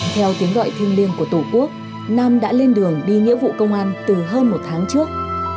theo tiếng gọi thiêng liêng của tổ quốc nam đã lên đường đi nghĩa vụ công an từ hơn một tháng trước